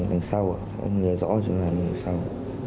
ở đằng sau ạ không nhìn rõ chủng hàn là đằng sau